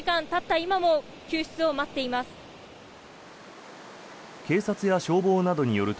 今も救出を待っています。